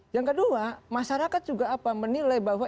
yang kedua masyarakat juga apa menilai bahwa